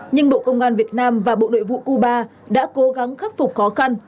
nhưng bộ công an việt nam và bộ nội vụ cuba đã cố gắng khắc phục khó khăn